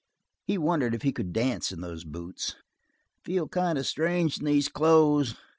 He wondered if he could dance in those boots. "Feel kind of strange in these clothes.